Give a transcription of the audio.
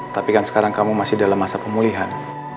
tapi kan sekarang kamu masih dalam masa pemulihan